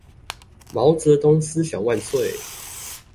毛澤東思想萬歲